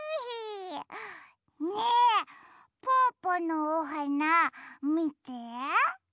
ねえぽぅぽのおはなみて。